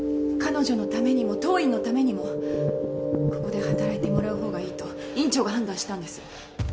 彼女のためにも当院のためにもここで働いてもらうほうがいいと院長が判断したんです。